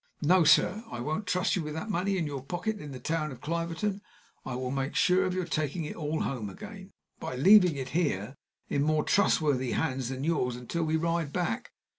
No, sir, I won't trust you with that money in your pocket in the town of Cliverton. I will make sure of your taking it all home again, by leaving it here in more trustworthy hands than yours until we ride back.